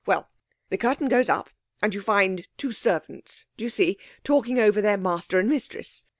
Well, the curtain goes up, and you find two servants do you see? talking over their master and mistress.